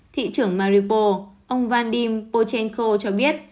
thị trưởng maripos ông vandim pochenko cho biết